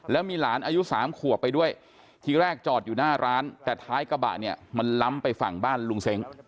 แล้วมีหลานอายุ๓ขวบไปด้วยทีแรกจอดอยู่หน้าร้านแต่ท้ายกระบะเนี่ยมันล้ำไปฝั่งบ้านลุงเซ้ง